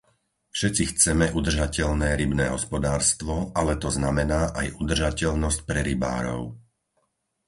Všetci chceme udržateľné rybné hospodárstvo, ale to znamená aj udržateľnosť pre rybárov.